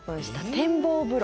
展望風呂！